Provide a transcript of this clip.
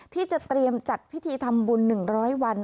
ที่จะเตรียมจัดพิธีทำบุญ๑๐๐วัน